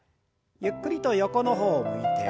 ゆっくりと横の方を向いて。